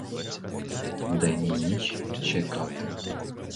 День і ніч чекати.